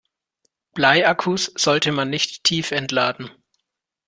Bleiakkus sollte man nicht tiefentladen.